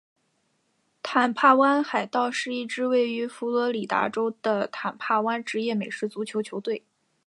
坦帕湾海盗是一支位于佛罗里达州的坦帕湾职业美式足球球队。